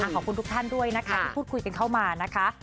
ขอบคุณทุกท่านด้วยนะคะที่พูดคุยกันเข้ามานะคะ